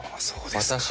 そうですか。